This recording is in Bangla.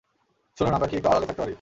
শুনুন, আমরা কি একটু আড়ালে থাকতে পারি?